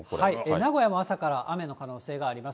名古屋も朝から雨の可能性があります。